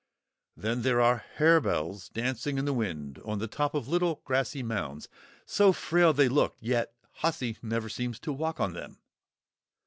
Then there are Harebells dancing in the wind on the top of little grassy mounds; so frail they look—yet "Hussy" never seems to walk on them!